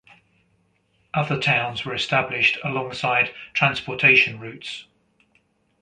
Other towns were established alongside transportation routes.